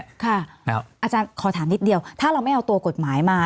อาจารย์ขอถามนิดเดียวถ้าเราไม่เอาตัวกฎหมายมา